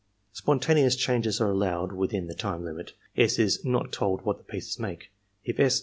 Spontaneous changes are allowed within the time limit, S. ia not told what the pieces make. If S.